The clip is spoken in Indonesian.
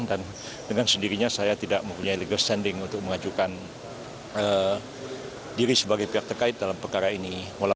dan dengan sendirinya saya tidak memiliki legal standing untuk mengajukan diri sebagai pihak terkait dalam perkara ini